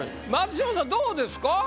松嶋さんどうですか？